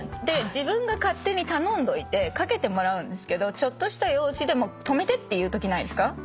自分が勝手に頼んどいてかけてもらうんですけどちょっとした用事で止めてって言うときないですか？